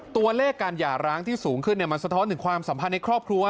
ตัวเลขการหย่าร้างที่สูงขึ้นมันสะท้อนถึงความสัมพันธ์ในครอบครัว